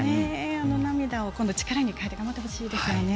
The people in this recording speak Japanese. あの涙を今度は力に変えて頑張ってほしいですよね。